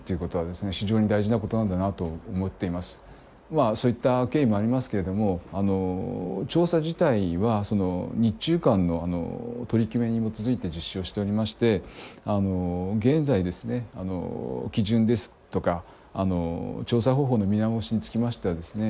まあそういった経緯もありますけれども調査自体は日中間の取り決めに基づいて実施をしておりまして現在ですね基準ですとか調査方法の見直しにつきましてはですね